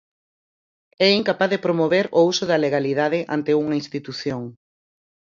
É incapaz de promover o uso da legalidade ante unha institución.